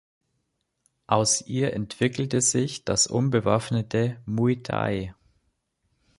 Aus ihr entwickelte sich das unbewaffnete Muay Thai.